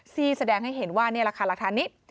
ซีแสดงให้เห็นว่าหลักฐานนี้